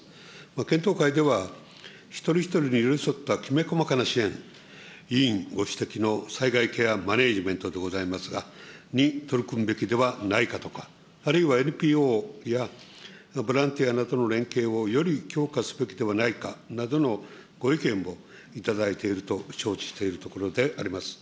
検討会では、一人一人に寄り添ったきめ細かな支援、委員ご指摘の災害ケアマネジメントでございますが、に取り組んでいくべきではないかとか、あるいはＮＰＯやボランティアなどの連携をより強化すべきではないかなどのご意見も頂いていると承知しているところであります。